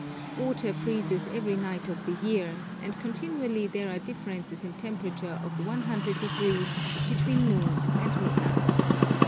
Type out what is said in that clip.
Water freezes every night of the year, and continually there are differences in temperature of 100° between noon and midnight.